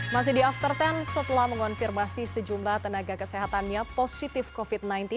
masih di after sepuluh setelah mengonfirmasi sejumlah tenaga kesehatannya positif covid sembilan belas